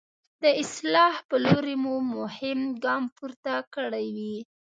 د اصلاح په لوري مو مهم ګام پورته کړی وي.